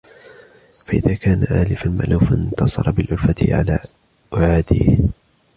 فَإِذَا كَانَ آلِفًا مَأْلُوفًا انْتَصَرَ بِالْأُلْفَةِ عَلَى أَعَادِيهِ